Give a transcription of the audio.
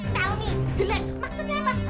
tell me jelek maksudnya apa